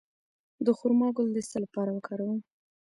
د خرما ګل د څه لپاره وکاروم؟